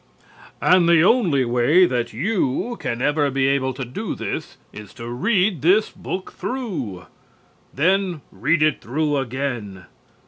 And the only way that you can ever be able to do this is to read this book through. Then read it through again.